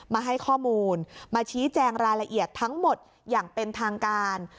มาให้ข้อมูลมาชี้แจงรายละเอียดทั้งหมดอย่างเป็นทางการ